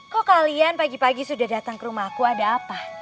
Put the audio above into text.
kok kalian pagi pagi sudah datang ke rumah aku ada apa